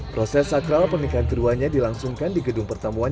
proses sakral pernikahan keduanya dilangsungkan di gedung pertemuan